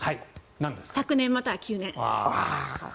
昨年または旧年。